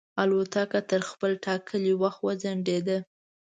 الوتکه تر خپل ټاکلي وخت وځنډېده.